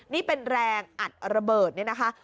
นี่เป็นแรงอัดระเบิดนี่นะคะ